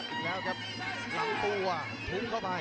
อีกแล้วครับลำตัวทุ้งเข้าไป